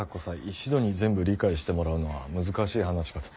一度に全部理解してもらうのは難しい話かと。